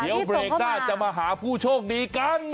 เดี๋ยวเบรกหน้าจะมาหาผู้โชคดีกัน